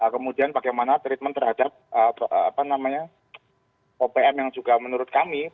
kemudian bagaimana treatment terhadap opm yang juga menurut kami